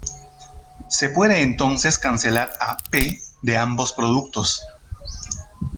Se puede entonces cancelar a "p" de ambos productos.